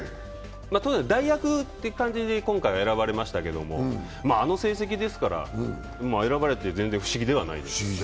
代役って感じで今回は選ばれましたけどあの成績ですから選ばれて全然不思議ではない。